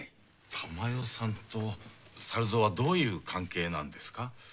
珠世さんと猿蔵はどういう関係なんですか？